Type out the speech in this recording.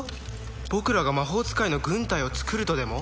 僕らが魔法使いの軍隊を作るとでも？